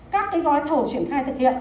các cái gói thầu triển khai thực hiện